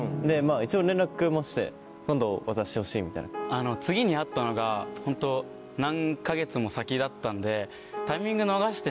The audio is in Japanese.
一応連絡もして「今度渡してほしい」みたいな。次に会ったのがホント何か月も先だったんで。